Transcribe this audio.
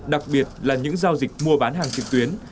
đặc biệt là những giao dịch mua bán hàng trực tuyến